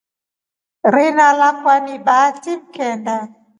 Rina lakwa ni Bahati mkenda.